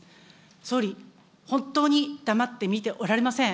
総理、本当に黙って見ておられません。